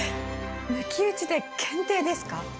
抜き打ちで検定ですか？